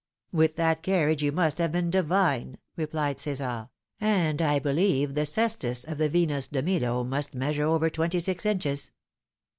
" With that carriage you must have been divine," replied Ce"sar ;" and I believe the cestus of the Venus de Milo must measure over twenty six inches."